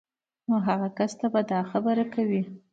نو هغې کس ته به دا خبره کوئ